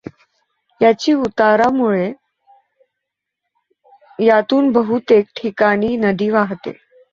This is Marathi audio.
याचे उतारामुळे यातून बहुतेक ठिकाणी नदी वाहते.